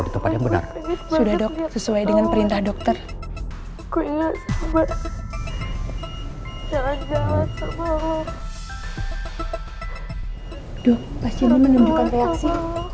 duh pas ini menunjukkan reaksi